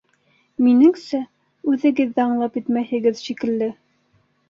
Минеңсә, үҙегеҙ ҙә аңлап бөтмәйһегеҙ, шикелле.